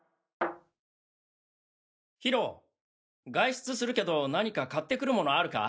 ヒロ外出するけど何か買ってくるものあるか？